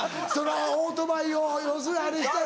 オートバイを要するに。